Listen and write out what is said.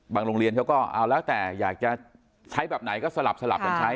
โรงเรียนเขาก็เอาแล้วแต่อยากจะใช้แบบไหนก็สลับกันใช้